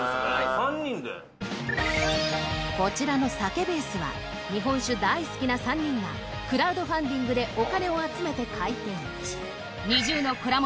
３人でこちらの酒ＢＡＳＥは日本酒大好きな３人がクラウドファンディングでお金を集めて開店２０の蔵元